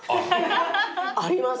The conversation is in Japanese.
あります。